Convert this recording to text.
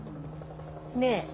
ねえ。